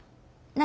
何？